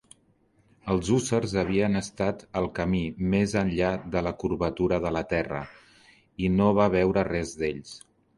Els hússars havien estat al camí, més enllà de la curvatura de la terra, i no va veure res d'ells.